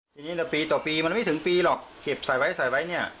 ทีนี้ละปีต่อปีมันไม่ถึงปีหรอกเก็บใส่ไว้ใส่ไว้เนี่ย